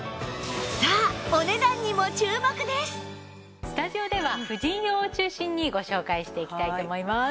さあスタジオでは婦人用を中心にご紹介していきたいと思います。